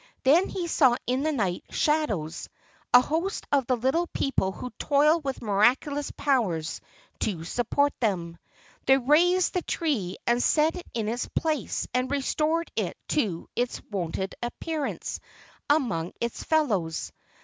Then he saw in the night shadows a host of the little people who toil with miraculous powers to support them. They raised the tree and set it in its place and restored it to its wonted appearance among its fellows.